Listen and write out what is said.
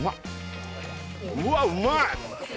うわっうま！